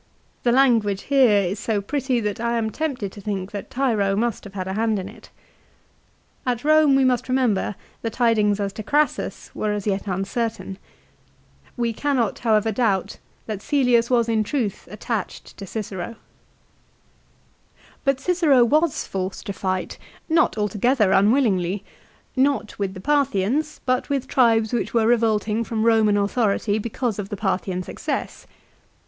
2 The language here is so pretty that I am tempted to think that Tiro must have had a hand in it. At Eome we must remember, the tidings as to Crassus were as yet uncertain. We cannot, however, doubt that Cgelius was in truth attached to Cicero. 1 Ad Div. lib. viii. 8. Ad Div. lib. viil 10, 104 LIFE OF CICERO. But Cicero was forced to fight, not altogether unwillingly, not with the Parthians, but with tribes which were revolt ing from Roman authority because of the Parthian success.